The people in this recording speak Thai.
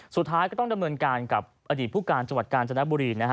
สุดท้ายก็ต้องดำเนินการกับอดีตผู้การจังหวัดกาญจนบุรีนะฮะ